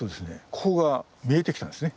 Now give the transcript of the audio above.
ここが見えてきたんですね。